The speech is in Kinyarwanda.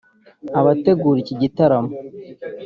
Abategura iki gitaramo